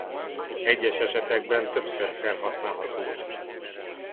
Egyes esetekben többször felhasználhatók.